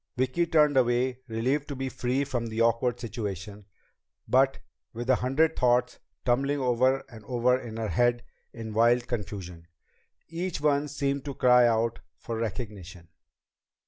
Vicki turned away, relieved to be free of the awkward situation, but with a hundred thoughts tumbling over and over in her head in wild confusion, each one seeming to cry out for recognition.